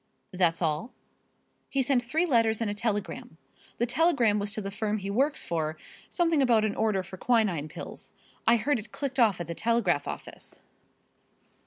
"That's all?" "He sent three letters and a telegram. The telegram was to the firm he works for, something about an order for quinine pills I heard it clicked off at the telegraph office."